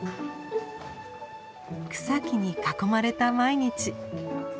草木に囲まれた毎日。